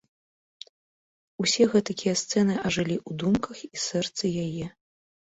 Усе гэтакія сцэны ажылі ў думках і сэрцы яе.